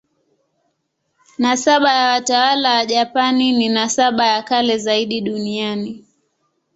Nasaba ya watawala wa Japani ni nasaba ya kale zaidi duniani.